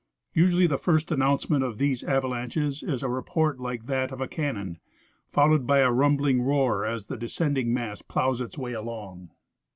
Usually the first announcement of these avalanches is a rej)ort like that of a can non, followed by a rumbling roar as the descending mass ploughs its way along.